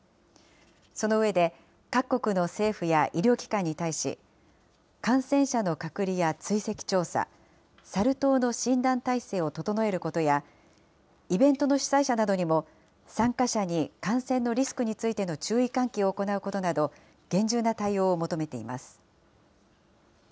その上で、各国の政府や医療機関に対し、感染者の隔離や追跡調査、サル痘の診断態勢を整えることや、イベントの主催者などにも参加者に感染のリスクについての注意喚起を行うことなど、厳重な対応を求めています。